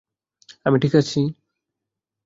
আমি ঠিক আছি?